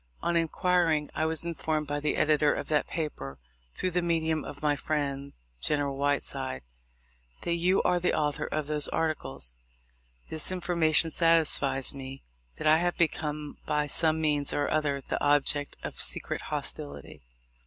On inquiring, I was informed by the editor of that paper, through the medium of my friend, General Whiteside, that you are the author of those articles. This information satisfies me that I have become, by some means or other, the object of secret hostility.